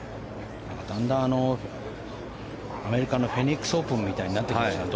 だんだん、アメリカのフェニックスオープンみたいになってきましたね